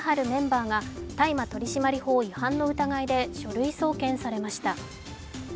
メンバーが大麻取締法違反の疑いで書類送検されました。